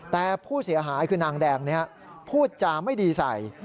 แต่ผู้เสียหายคือนางแดงนี้พูดจาไม่ดีใส่